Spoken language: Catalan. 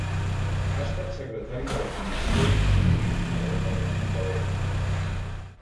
Ha estat secretari de la Comissió de Turisme del Parlament Balear.